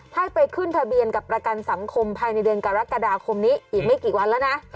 ให้ไปขึ้นทะเบียนกับประกันสังคมภายในเดือนกรกฎาคมนี้อีกไม่กี่วันแล้วนะ